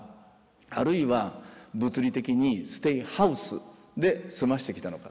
あるいは物理的にステイハウスで済ませてきたのか。